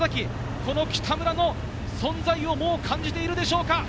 この北村の存在をもう感じているでしょうか？